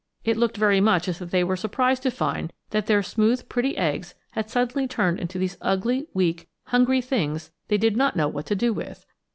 It looked very much as if they were surprised to find that their smooth pretty eggs had suddenly turned into these ugly, weak, hungry things they did not know what to do with.